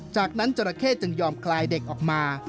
จากนั้นจราเข้จึงยอมคลายเด็กออกมา